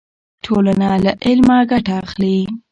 ټولنه له علمه ګټه اخلي.